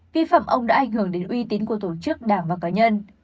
vi phạm ông đã ảnh hưởng đến uy tín của tổ chức đảng và cá nhân